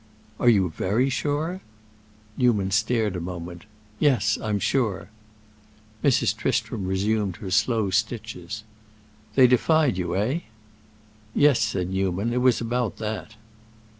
"Are you very sure?" Newman stared a moment. "Yes, I'm sure." Mrs. Tristram resumed her slow stitches. "They defied you, eh?" "Yes," said Newman, "it was about that."